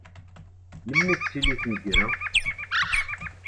Melmi i d-tettili tmegra?